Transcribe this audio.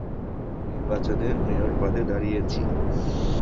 নির্বাচনে মেয়র পদে দাঁড়িয়েছি।